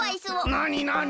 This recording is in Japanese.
なになに？